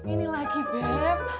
ini lagi beb